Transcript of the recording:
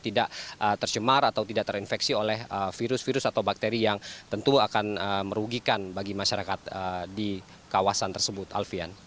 tidak tercemar atau tidak terinfeksi oleh virus virus atau bakteri yang tentu akan merugikan bagi masyarakat di kawasan tersebut alfian